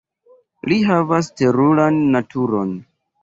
Li havas teruran naturon.